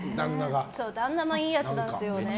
旦那もいいやつなんですよね。